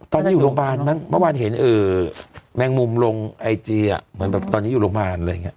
ตอนนี้อยู่โรงพยาบาลมั้งเมื่อวานเห็นแมงมุมลงไอจีอ่ะเหมือนแบบตอนนี้อยู่โรงพยาบาลอะไรอย่างนี้